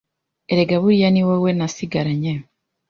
erega buriya ni wowe nasigaranye